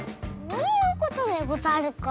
そういうことでござるか。